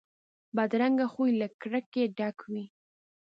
بدرنګه خوی له کرکې ډک وي